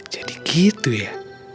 jadi gitu ya